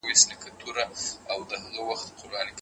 خوب د روغتیا لپاره ولي اړین دی؟